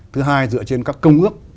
thứ hai dựa trên các công ước